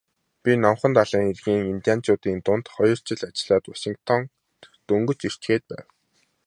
Би Номхон далайн эргийн индианчуудын дунд хоёр жил ажиллаад Вашингтонд дөнгөж ирчхээд байв.